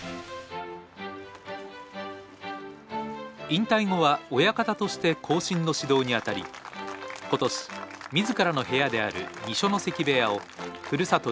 引退後は親方として後進の指導に当たり今年自らの部屋である二所ノ関部屋をふるさと